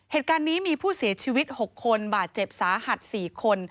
เหตุการณ์นี้มีผู้เสียชีวิต๖คนบาดเจ็บสาหัส๔คน